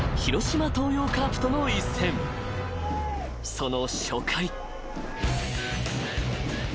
［その初回］